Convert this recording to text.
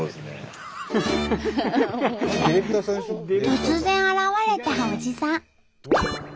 突然現れたおじさん。